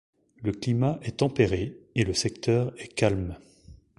Le climat est tempéré et le secteur est calme.